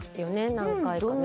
何回かね